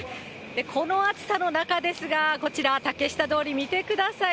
この暑さの中ですが、こちら、竹下通り、見てください。